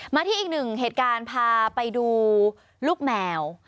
มาที่อีกหนึ่งเหตุการณ์พาไปดูลูกแมว